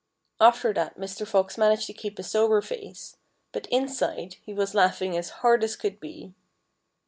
After that Mr. Fox managed to keep a sober face. But inside he was laughing as hard as could be.